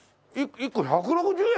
１個１６０円！？